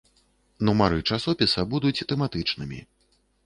Нумары часопіса будуць тэматычнымі.